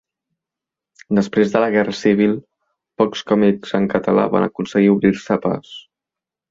Després de la Guerra civil, pocs còmics en català van aconseguir obrir-se pas.